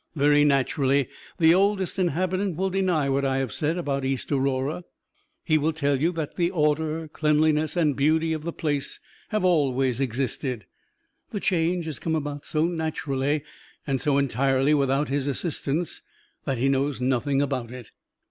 Very naturally, the Oldest Inhabitant will deny what I have said about East Aurora he will tell you that the order, cleanliness and beauty of the place have always existed. The change has come about so naturally, and so entirely without his assistance, that he knows nothing about it.